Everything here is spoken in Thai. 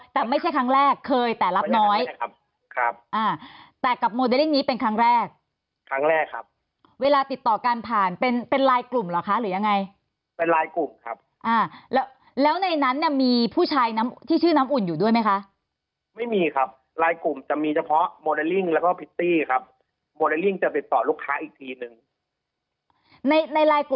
แต่ไม่ใช่ครั้งแรกเคยแต่รับน้อยครับครับอ่าแต่กับโมเดลลิ่งนี้เป็นครั้งแรกครั้งแรกครับเวลาติดต่อกันผ่านเป็นเป็นลายกลุ่มเหรอคะหรือยังไงเป็นลายกลุ่มครับอ่าแล้วแล้วในนั้นเนี่ยมีผู้ชายน้ำที่ชื่อน้ำอุ่นอยู่ด้วยไหมคะไม่มีครับรายกลุ่มจะมีเฉพาะโมเลลิ่งแล้วก็พิตตี้ครับโมเลลิ่งจะติดต่อลูกค้าอีกทีนึงในในลายกลุ่ม